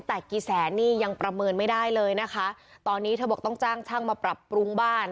แต่กี่แสนนี่ยังประเมินไม่ได้เลยนะคะตอนนี้เธอบอกต้องจ้างช่างมาปรับปรุงบ้าน